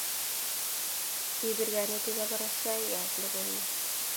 kipir kanetik kabarashaik ab lokoiywek